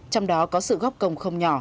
trong đó có sự góp công không nhỏ